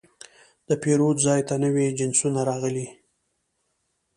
د پیرود ځای ته نوي جنسونه راغلي.